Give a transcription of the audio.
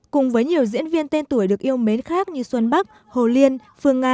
cùng với nhiều diễn viên tên tuổi được yêu mến khác như xuân bắc hồ liên phương nga